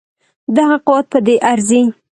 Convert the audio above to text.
دغه قوت په دې ارزي.